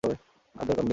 আর দরকার নেই।